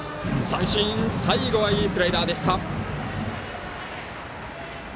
最後はいいスライダーでした。